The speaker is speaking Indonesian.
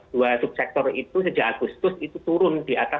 dua subsektor itu sejak agustus itu turun di atas